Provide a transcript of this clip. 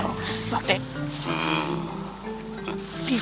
oh dosa ya pak